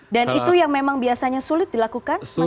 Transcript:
dan itu yang memang biasanya sulit dilakukan mas haidar